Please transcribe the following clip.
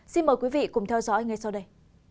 xin mời quý vị cùng theo dõi ngay sau đây